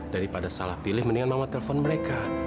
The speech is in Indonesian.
daripada salah pilih mendingan mama telpon mereka